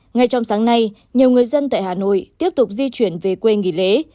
ngay trong sáng nay nhiều người dân tại hà nội tiếp tục di chuyển về quê nghỉ lễ